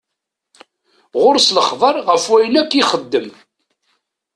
Ɣur-s lexbar ɣef wayen akk i ixeddem.